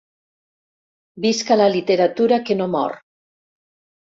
Visca la literatura Que no Mor!